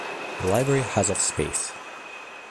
The library has of space.